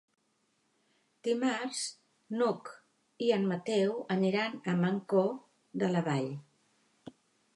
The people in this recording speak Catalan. Dimarts n'Hug i en Mateu aniran a Mancor de la Vall.